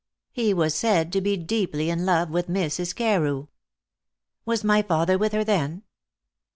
He was said to be deeply in love with Mrs. Carew." "Was my father with her then?"